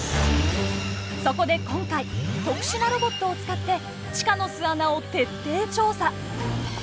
そこで今回特殊なロボットを使って地下の巣穴を徹底調査。